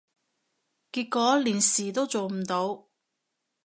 結果連事都做唔到